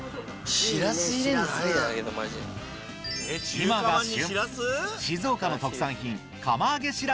今が旬！